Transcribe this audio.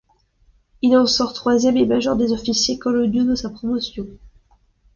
Il en sort troisième et major des officiers coloniaux de sa promotion.